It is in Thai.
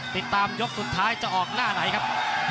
ติดตามยกสุดท้ายจะออกหน้าไหนครับ